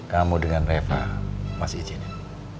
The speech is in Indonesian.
kamu dengan reva masih izinin